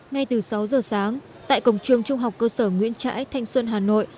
ngay từ sáu giờ sáng tại cổng trường trung học cơ sở nguyễn trãi thanh xuân hà nội